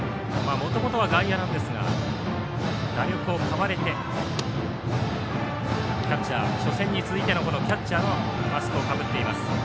もともとは外野なんですが打力を買われて初戦に続いてのキャッチャーのマスクをかぶっています。